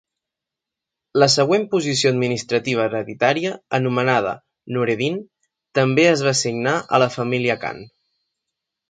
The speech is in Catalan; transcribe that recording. La següent posició administrativa hereditària, anomenada "nureddin," també es va assignar a la família khan.